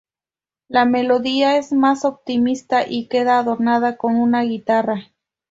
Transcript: La melodía es más optimista y queda adornada con una guitarra.